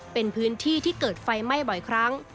เป็นพื้นที่ที่เกิดไฟไหม้บ่อยครั้ง